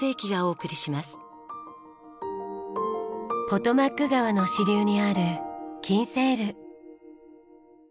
ポトマック川の支流にあるキンセール。